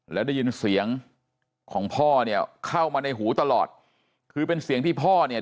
แล้วได้ยินเสียงของพ่อเนี่ยเข้ามาในหูตลอดคือเป็นเสียงที่พ่อเนี่ย